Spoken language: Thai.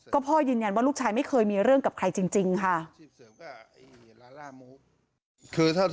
ก็พ่อยืนยันว่าลูกชายไม่เคยมีเรื่องกับใครจริงค่ะ